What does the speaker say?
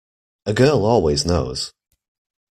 A girl always knows.